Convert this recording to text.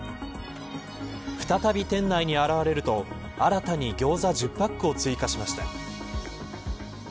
再び店内に現れると新たにギョーザ１０パックを追加しました。